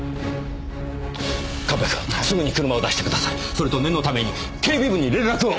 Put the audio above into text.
それと念のために警備部に連絡を！